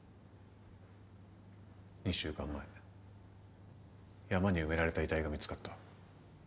２週間前山に埋められた遺体が見つかった。